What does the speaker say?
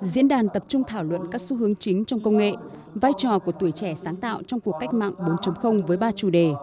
diễn đàn tập trung thảo luận các xu hướng chính trong công nghệ vai trò của tuổi trẻ sáng tạo trong cuộc cách mạng bốn với ba chủ đề